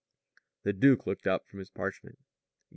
The duke looked up from his parchment.